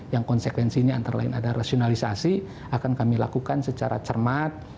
yang konsekuensinya antara lain ada rasionalisasi akan kami lakukan secara cermat